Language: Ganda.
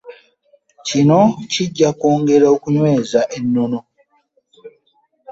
Kino kijja kwongera okunyweza ennono.